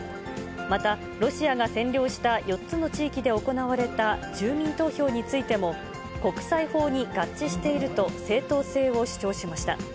また、ロシアが占領した４つの地域で行われた住民投票についても、国際法に合致していると正当性を主張しました。